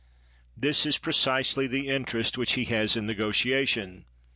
This is precisely the interest which he has in negotiation.